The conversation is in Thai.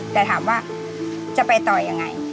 แต่ถามว่าจะไปต่อยังไง